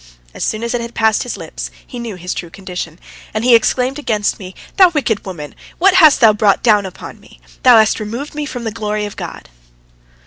As soon as it had passed his lips, he knew his true condition, and he exclaimed against me: "Thou wicked woman, what bast thou brought down upon me? Thou hast removed me from the glory of God."